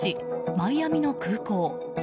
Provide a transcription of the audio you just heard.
マイアミの空港。